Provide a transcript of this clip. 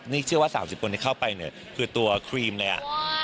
นี่เชื่อว่าสามสิบคนที่เข้าไปคือตัวครีมเลย